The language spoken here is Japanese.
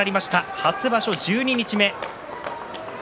初場所十二日目。